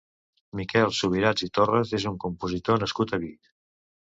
Miquel Subirats i Torras és un compositor nascut a Vic.